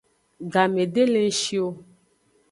Game de le ng shi o.